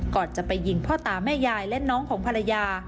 ก่อนจะไปยิงพ่อตาแม่ยายและน้องของภรรยา